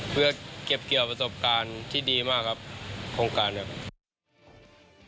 เพื่อเก็บเกี่ยวประสบการณ์ที่ดีมากครับโครงการนี้ครับ